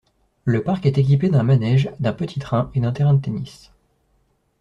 Le parc est équipé d'un manège, d'un petit train et d'un terrain de tennis.